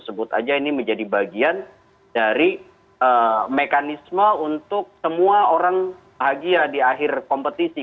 sebut aja ini menjadi bagian dari mekanisme untuk semua orang bahagia di akhir kompetisi